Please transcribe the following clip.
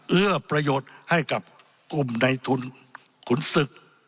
เอื้อประโยชน์ให้กับกลุ่มในทุนขุนศึก